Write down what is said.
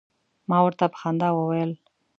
ما ورته په خندا وویل.